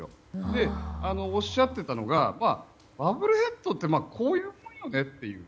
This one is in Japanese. で、おっしゃっていたのがボブルヘッドってこういうものだよねっていう。